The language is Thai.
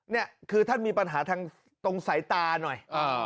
นี่คือท่านมีปัญหาทางตรงสายตาหน่อย